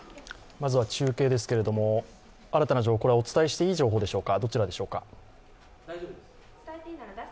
まずは中継ですけれども、新たな情報、お伝えしていい情報でしょうか。